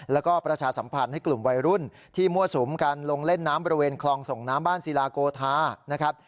แล้วก็ประชาสัมพันธ์ให้กลุ่มวัยรุ่นที่มั่วสุมกันลงเล่นน้ำบริเวณคลองส่งน้ำบ้านศิลาโกธานะครับ